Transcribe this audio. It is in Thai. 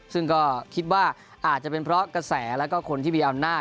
ซึ่งก็คิดว่าอาจจะเป็นเพราะกระแสแล้วก็คนที่มีอำนาจ